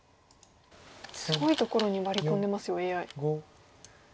すごいところにワリ込んでますよＡＩ。